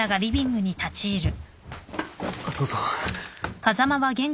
どうぞ。